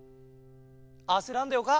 あせらんでよか。